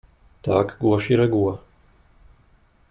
"Tak głosi reguła."